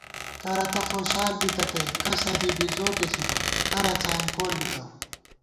کرہ تہ خوشال بِتہ تئ، کسہ بی بِزوٹےݪِبہ کرہ څائیں کول بِتہ